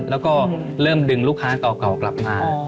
แล้วก็เริ่มดึงลูกค้าเก่ากลับมา